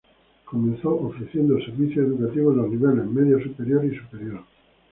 Comenzó ofreciendo servicios educativos en los niveles medio superior y superior.